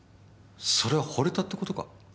それは惚れたって事か？